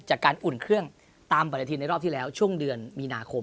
จากการอุ่นเครื่องตามแบบนี้ได้รอบที่แล้วต่อไปช่วงเดือนมีนาคม